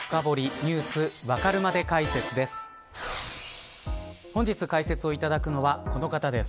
Ｎｅｗｓわかるまで解説です。